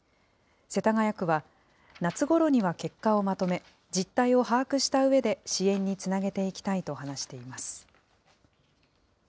世田谷区は、夏ごろには結果をまとめ、実態を把握したうえで支援につなげていきたいと話しています。